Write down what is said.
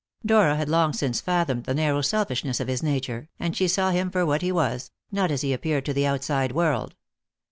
Dora had long since fathomed the narrow selfishness of his nature, and she saw him for what he was, not as he appeared to the outside world.